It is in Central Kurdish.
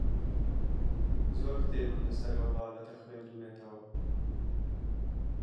زۆر کتێبم لەسەر ئەو بابەتە خوێندوونەتەوە.